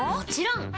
ん？